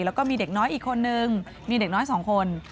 แล้วก็มีเด็กน้อยอีกคนนึงมีเด็กน้อยสองคน